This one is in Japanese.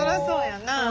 そうやな。